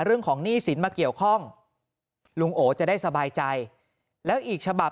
หนี้สินมาเกี่ยวข้องลุงโอจะได้สบายใจแล้วอีกฉบับ